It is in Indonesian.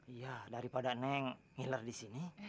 iya daripada neng ngiler di sini